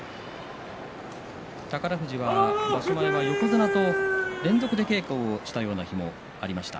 宝富士は場所前の横綱と連続で稽古をしたような日もありました。